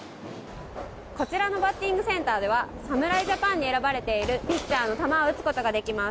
こちらのバッティングセンターでは侍ジャパンに選ばれているピッチャーの球を打つことができます。